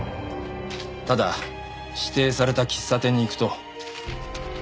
ただ指定された喫茶店に行くと。